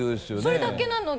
それだけなので。